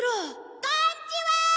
こんちは！